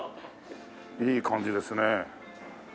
いい感じですね。